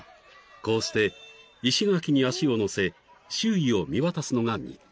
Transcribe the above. こうして石垣に足を乗せ周囲を見渡すのが日課］